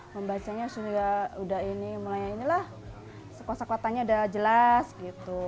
membacanya sudah mulai inilah sekot sekotannya sudah jelas gitu